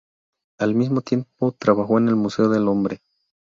Al mismo tiempo trabajó en el Museo del Hombre.